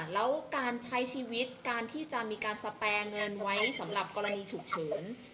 แล้วการใช้ชีวิตการที่จะมีการสแปรเงินไว้สำหรับกรณีฉุกเฉิน